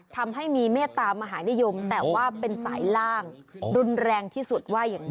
ทำให้มีเมตตามหานิยมแต่ว่าเป็นสายล่างรุนแรงที่สุดว่าอย่างนี้